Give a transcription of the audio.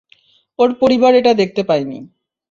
ওর পরিবার এটা দেখতে পায়নি।